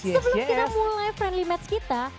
sebelum kita mulai friendly match kita